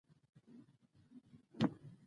تیمورشاه له نیولو څخه وروسته مظفرخان وټاکی.